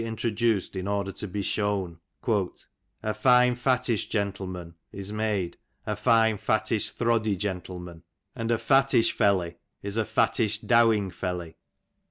OVl duced in order to be shown ;" a fine fattish gentleman''* is made " a " fine fattish throddy^s gentleman,'' and "a fattish feUey" is "a fattish " dowing3* felley."